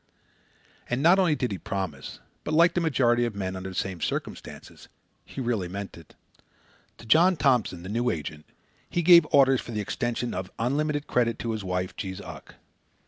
And not only did he promise, but, like the majority of men under the same circumstances, he really meant it. To John Thompson, the new agent, he gave orders for the extension of unlimited credit to his wife, Jees Uck.